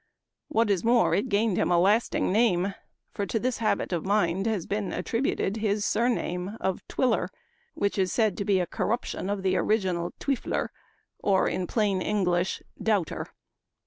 What is more, it gained him a lasting name ; for to this habit of the mind has been attributed his surname of Twiller, which is said to be a corruption of the original Twijfler, or, in plain English, Doubter.